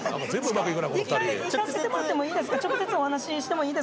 １回行かせてもらってもいいですか？